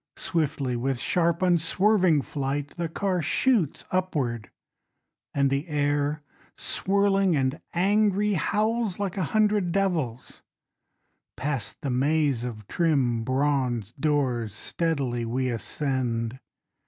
Swiftly, with sharp unswerving flight The car shoots upward, And the air, swirling and angry, Howls like a hundred devils. Past the maze of trim bronze doors, Steadily we ascend.